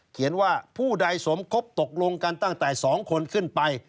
เขียนว่าผู้ใดสมคบตกลงกันตั้งแต่๒คนขึ้นไป